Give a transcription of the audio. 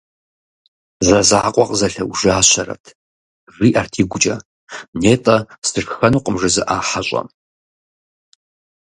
«Зэзакъуэ къызэлъэӏужащэрэт», жиӏэрт игукӏэ, нетӏэ «сышхэнукъым» жызыӏа хьэщӏэм.